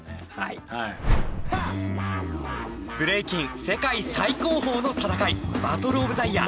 ブレイキン世界最高峰の戦いバトルオブザイヤー。